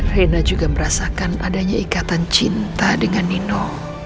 rena juga merasakan adanya ikatan cinta dengan nino